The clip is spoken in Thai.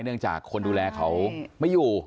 เนื่องจากคนดูแลเขาไม่อยู่